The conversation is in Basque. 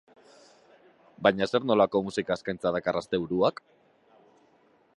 Baina zer nolako musika eskaintza dakar asteburuak?